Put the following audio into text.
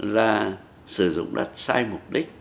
là sử dụng đất sai mục đích